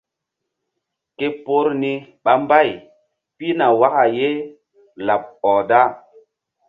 Ke por ni ɓa mbay pihna waka ye laɓ ɔh da.